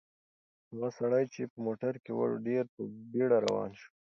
هغه سړی چې په موټر کې و ډېر په بیړه روان شو.